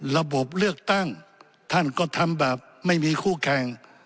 ระบบเลือกตั้งท่านก็ทำแบบไม่มีคู่แข่ง